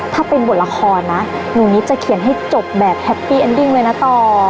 ถ้าเป็นบทละครนะหนูนิดจะเขียนให้จบแบบแฮปปี้เอ็นดิ้งเลยนะต่อ